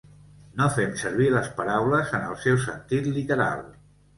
No fem servir les paraules en el seu sentit literal.